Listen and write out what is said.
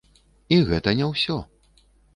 І гэта не ўсё!